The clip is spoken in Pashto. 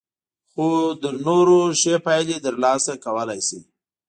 خو تر نورو ښې پايلې ترلاسه کولای شئ.